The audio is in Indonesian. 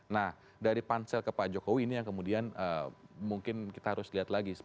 nah dari pansel ke pak jokowi ini yang kemudian mungkin kita harus lihat lagi